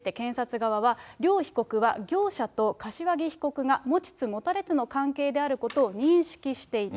受託収賄について、検察側は、両被告は業者と柏木被告が持ちつ持たれつの関係であることを認識していた。